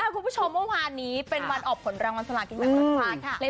คุณผู้ชมเมื่อวานนี้เป็นวันออกผลรางวัลสลากินแบ่งรัฐบาลค่ะ